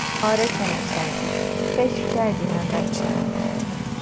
آره که نکردی، فکر کردی من بچهام؟